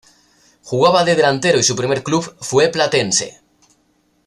Jugaba de delantero y su primer club fue Platense.